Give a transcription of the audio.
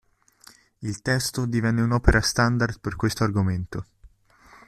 Il testo divenne un'opera standard per questo argomento.